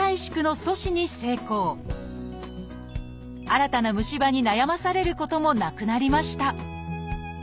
新たな虫歯に悩まされることもなくなりました